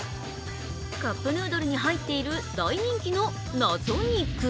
カップヌードルに入っている大人気の謎肉。